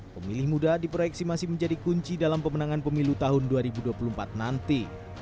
pemilih muda diproyeksi masih menjadi kunci dalam pemenangan pemilu tahun dua ribu dua puluh empat nanti